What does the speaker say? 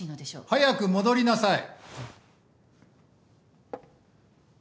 早く戻りなさい。